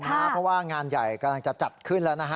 เพราะว่างานใหญ่กำลังจะจัดขึ้นแล้วนะฮะ